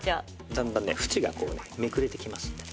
だんだんね縁がこうねめくれてきますので。